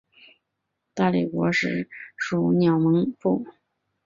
大理国时属乌蒙部。